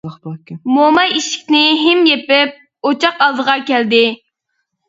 موماي ئىشىكنى ھىم يېپىپ، ئوچاق ئالدىغا كەلدى.